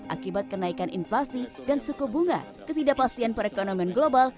akibat kenaikan inflasi dan suku bunga ketidakpastian perekonomian global